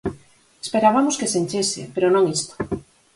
Esperabamos que se enchese, pero non isto.